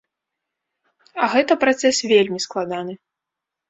А гэта працэс вельмі складаны.